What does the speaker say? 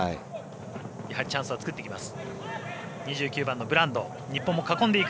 やはりチャンスを作ってきます。